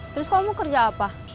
terus kamu kerja apa